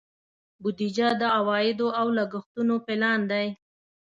بودیجه د عوایدو او لګښتونو پلان دی.